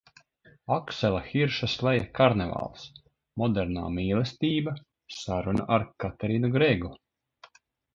Aksela Hirša sleja Karnevāls; Modernā mīlestība – saruna ar Katerinu Gregu;